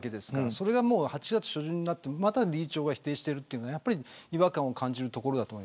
それが８月初旬でまた理事長が否定しているというのは違和感を感じるところです。